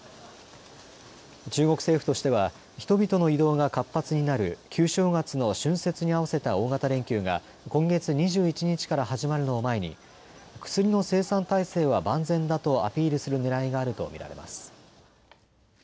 中国政府としては人々の移動が活発になる旧正月の春節に合わせた大型連休が今月２１日から始まるのを前に薬の生産体制は万全だとアピールするねらいがあると見られます。